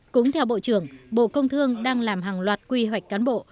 cũng theo bộ trưởng bộ công thương đang làm hàng loạt quy hoạch cán bộ